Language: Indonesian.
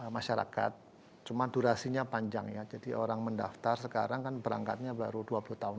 masyarakat cuma durasinya panjang ya jadi orang mendaftar sekarang kan berangkatnya baru dua puluh tahun